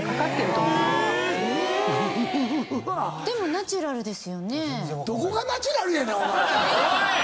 ナチュラルです。